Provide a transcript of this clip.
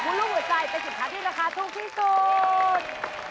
กุลลุ่มหอยใจเป็นสินค้าที่ราคาทรงที่สุด